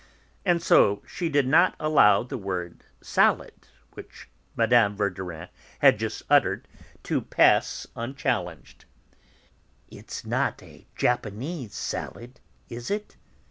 And so she did not allow the word 'salad,' which Mme. Verdurin had just uttered, to pass unchallenged. "It's not a Japanese salad, is it?"